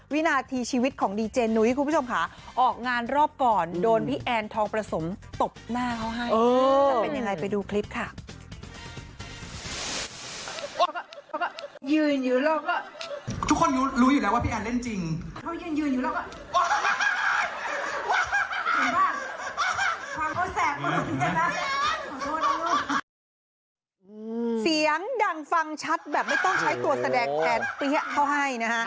วินาธีชีวิตของดีเจนดูยืนคุณผู้ชมแล้วค่ะ